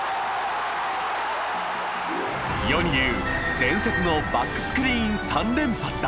世に言う伝説のバックスクリーン三連発だ。